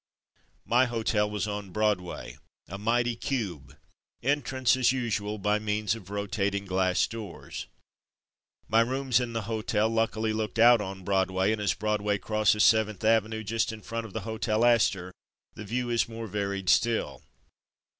My hotel was on Broadway. A mighty cube, entrance as usual by means of rotating glass doors. My rooms in the hotel luckily looked out on Broadway, and, as Broadway crosses Seventh Avenue just in front of the Hotel Astor, the view is more varied still.